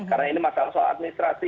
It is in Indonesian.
karena ini masalah soal administrasi